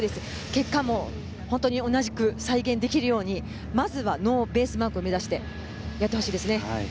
結果も、本当に同じく再現できるようにまずはノーベースマークを目指してやってほしいですね。